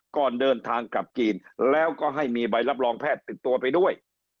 ก่อนเดินทางกลับจีนแล้วก็ให้มีใบรับรองแพทย์ติดตัวไปด้วย